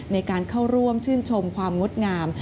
ในการเข้าร่วมชื่นชมความงดงาม